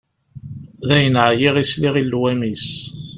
Dayen, εyiɣ i sliɣ i llwam-is.